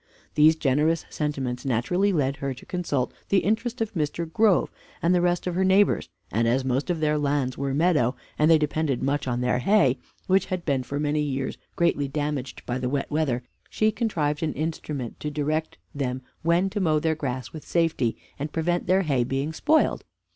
These generous sentiments naturally led her to consult the interest of Mr. Grove, and the rest of her neighbors; and as most of their lands were meadow, and they depended much on their hay, which had been for many years greatly damaged by the wet weather, she contrived an instrument to direct them when to mow their grass with safety, and prevent their hay being spoiled.